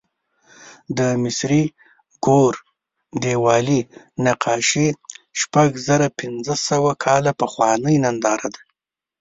د مصري ګور دیوالي نقاشي شپږزرهپینځهسوه کاله پخوانۍ ننداره ده.